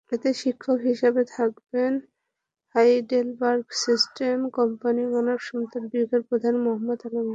এতে প্রশিক্ষক হিসেবে থাকবেন হাইডেলবার্গ সিমেন্ট কোম্পানির মানবসম্পদ বিভাগের প্রধান মোহাম্মদ আলমগীর।